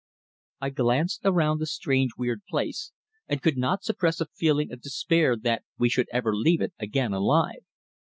I glanced around the strange, weird place, and could not suppress a feeling of despair that we should ever leave it again alive.